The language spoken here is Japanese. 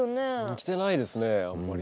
来てないですねあんまり。